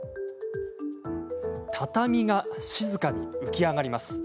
畳が静かに浮き上がります。